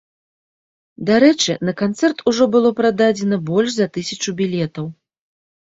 Дарэчы, на канцэрт ужо было прададзена больш за тысячу білетаў.